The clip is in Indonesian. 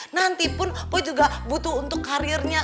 nanti pun oh juga butuh untuk karirnya